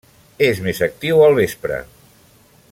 És més actiu al vespre.